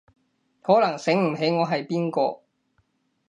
可能醒唔起我係邊個